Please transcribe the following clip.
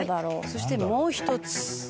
そしてもう一つ。